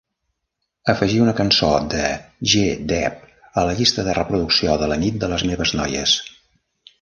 Afegir una cançó de G Dep a la llista de reproducció de la nit de les meves noies